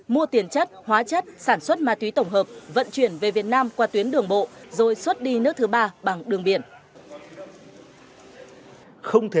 mua tiền chất hóa chất sản xuất ma túy tổng hợp vận chuyển về việt nam qua tuyến đường bộ